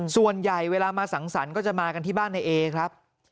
ส่วนใหญ่เวลามาสังสรรค์ก็จะมากันที่บ้านในเอครับ